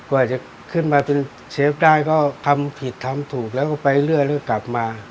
กว่าจะขึ้นมาเป็นเชฟได้ก็ทำผิดทำถูกแล้วก็ไปเรื่อยแล้วกลับมา